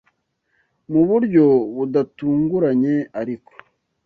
Mu buryo budatunguranye ariko,